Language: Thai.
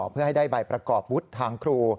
เพื่อให้ได้ใบประกอบวุฒิทางครู